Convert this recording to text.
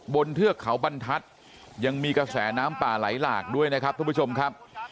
เทือกเขาบรรทัศน์ยังมีกระแสน้ำป่าไหลหลากด้วยนะครับทุกผู้ชมครับ